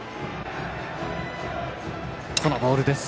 このボールです。